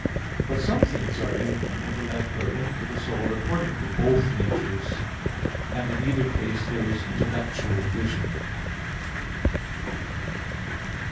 But some things are in an intellect or in the soul according to both natures; and in either case there is intellectual vision.